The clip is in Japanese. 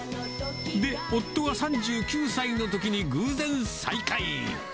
で、夫が３９歳のときに偶然再会。